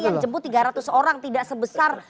yang jemput tiga ratus orang tidak sebesar